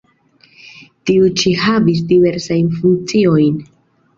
Tiu ĉi havis diversajn funkciojn.